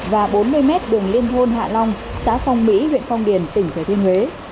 và bốn mươi m đường liên thôn hạ long xã phong mỹ huyện phong điền tỉnh thời thiên huế